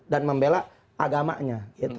dan membela agamanya